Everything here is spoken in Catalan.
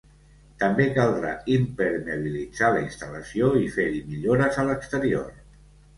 També caldrà impermeabilitzar la instal·lació i fer-hi millores a l’exterior.